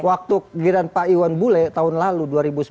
waktu giliran pak iwan bule tahun lalu dua ribu sembilan belas